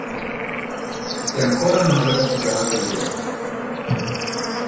E ancora non aveva superato il dolore.